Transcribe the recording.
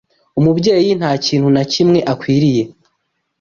Umubyeyi nta kintu na kimwe akwiriye